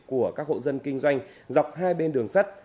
của các hộ dân kinh doanh dọc hai bên đường sắt